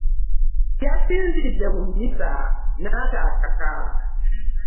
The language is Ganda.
Yasinzidde mu mmisa n'ata akaka.